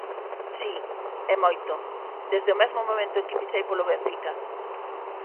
Si, e moito, desde o mesmo momento en que fichei polo Benfica.